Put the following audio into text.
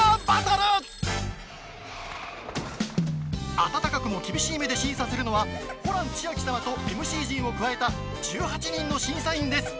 温かくも厳しい目で審査するのはホラン千秋様とＭＣ陣を加えた１８人の審査員です。